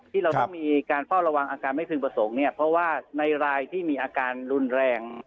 ที่เราต้องมีการเฝ้าระวังอาการไม่พึงประสงค์เนี่ยเพราะว่าในรายที่มีอาการรุนแรง